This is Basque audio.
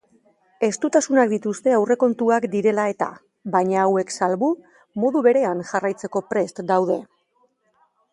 Estutasunak dituzte aurrekontuak direla eta baina hauek salbu modu berean jarraitzeko prest daude.